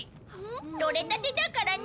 とれたてだからね。